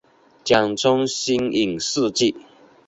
简称新影世纪。